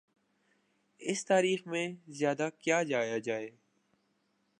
اس تاریخ میں زیادہ کیا جایا جائے۔